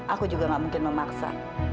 aku juga gak mungkin memaksa